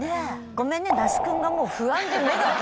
ごめんね那須くんがもう不安で目が。